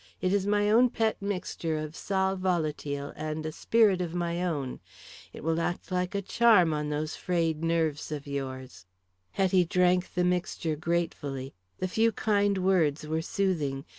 It is my own pet mixture of sal volatile and a spirit of my own. It will act like a charm on those frayed nerves of yours." Hetty drank the mixture gratefully. The few kind words were soothing.